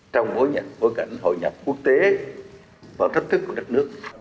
trong bối cảnh hội nhập quốc tế và thách thức của đất nước